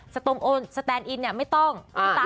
สแตนอินเนี่ยไม่ต้อง